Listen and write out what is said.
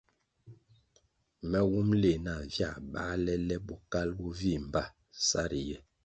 Me wumʼ leh nah viā bāle le bokalʼ bo vii mbpa sa riye.